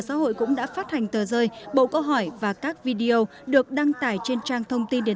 xã hội cũng đã phát hành tờ rơi bộ câu hỏi và các video được đăng tải trên trang thông tin điện